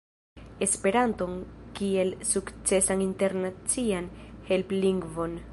Esperanton kiel sukcesan internacian helplingvon